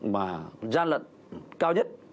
mà gian lận cao nhất